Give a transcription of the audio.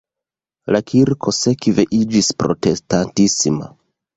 La kirko sekve iĝis protestantisma.